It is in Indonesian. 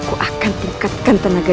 dia mampu mengimbangi jurus jurus hal ini